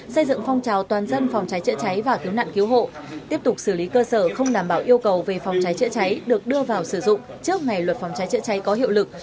xây dựng phong trào toàn dân phòng cháy chữa cháy và cứu nạn cứu hộ tiếp tục xử lý cơ sở không đảm bảo yêu cầu về phòng cháy chữa cháy được đưa vào sử dụng trước ngày luật phòng cháy chữa cháy có hiệu lực